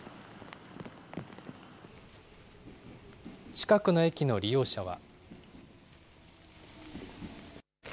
近くの駅の利用者は。